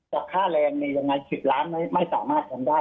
จากค่าแรงในยังไงสิบล้านไม่สามารถทำได้